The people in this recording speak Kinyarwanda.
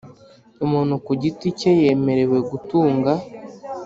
Umuntu ku giti cye yemerewe gutunga